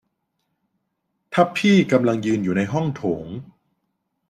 ทัพพี่กำลังยืนอยู่ในห้องโถง